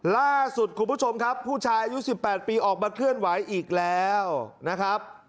ล่าสุดคุณผู้ชมครับผู้ชายอายุ๑๘ปีออกมาเคลื่อนไหวอีกแล้วนะครับ